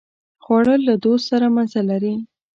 خوړل له دوست سره مزه لري